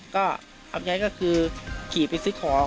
ก็เอาใจก็คือขี่ไปซื้อของ